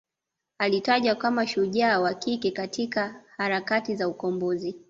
alitajwa kama shujaa wa kike katika harakati za ukombozi